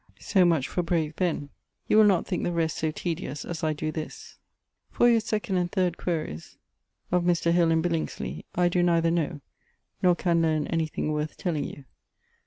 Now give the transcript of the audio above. So much for brave Ben. You will not think the rest so tedyus, as I doe this. Ffor yoʳ 2 and 3º que. of Mr. Hill and Bilingsley, I doe nether know, nor can learn any thing worth teling you.